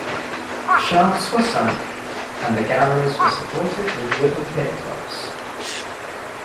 Shafts were sunk, and the galleries were supported with wooden pit-props.